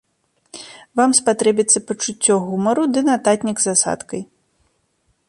Вам спатрэбіцца пачуццё гумару ды нататнік з асадкай!